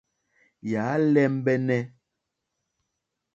Yà á !lɛ́mbɛ́nɛ́.